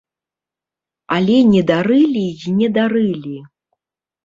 Але не дарылі і не дарылі.